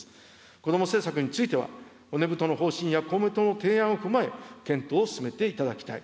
子ども政策については、骨太の方針や公明党の提案を踏まえ、検討を進めていただきたい。